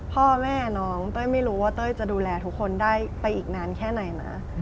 พ่อแม่น้องเต้ยไม่รู้ว่าเต้ยจะดูแลทุกคนได้ไปอีกนานแค่ไหนนะ